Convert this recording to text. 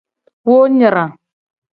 Wo nyra.